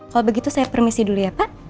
kalau begitu saya permisi dulu ya pak